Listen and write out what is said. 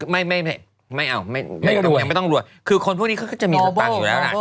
ไม่ไม่ไม่เอาไม่ต้องรวยคือคนพวกนี้เขาก็จะมีสักต่างอยู่แล้วนะ